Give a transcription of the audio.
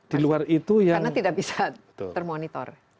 karena tidak bisa termonitor